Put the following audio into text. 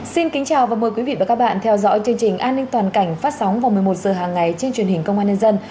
xin kính chào và mời quý vị và các bạn theo dõi chương trình an ninh toàn cảnh phát sóng vào một mươi một h hàng ngày trên truyền hình công an nhân dân